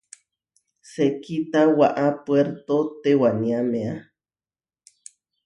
Sekíta waʼá Puérto tewaniámea.